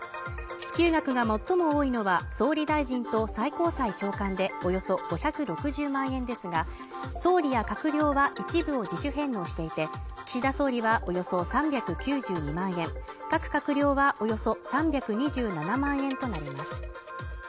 支給額が最も多いのは、総理大臣と最高裁長官でおよそ５６０万円ですが、総理や閣僚は一部を自主返納していて、岸田総理はおよそ３９２万円各閣僚はおよそ３２７万円となります。